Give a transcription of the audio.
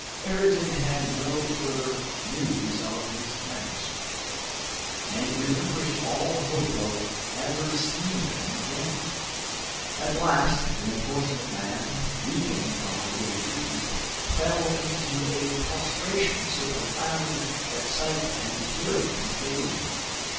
Ayrton had no further news of his friends, and relinquished all hope of ever seeing them again. At last, the unfortunate man, weakened by ill treatment, fell into a prostration so profound that sight and hearing failed him.